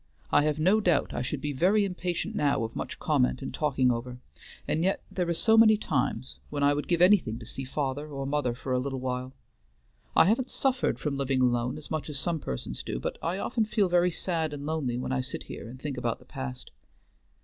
I have no doubt I should be very impatient now of much comment and talking over; and yet there are so many times when I would give anything to see father or mother for a little while. I haven't suffered from living alone as much as some persons do, but I often feel very sad and lonely when I sit here and think about the past.